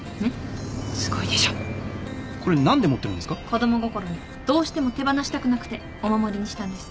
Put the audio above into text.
子供心にどうしても手放したくなくてお守りにしたんです。